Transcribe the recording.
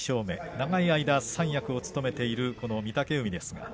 長い間三役を務めている御嶽海です。